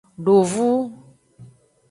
Dovu.